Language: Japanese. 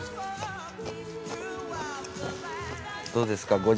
どうですか？